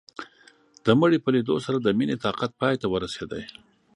د مړي په ليدو سره د مينې طاقت پاى ته ورسېد.